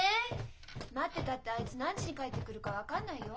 待ってたってあいつ何時に帰ってくるか分かんないよ。